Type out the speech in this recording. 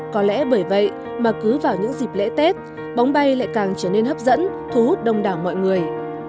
có lẽ bởi vậy mà cứ vào những dịp lễ tết bóng bay lại càng trở nên hấp dẫn thu hút đông đảo mọi người